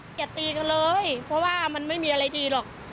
อย่าตีกันเลยเพราะว่ามันไม่มีอะไรดีหรอก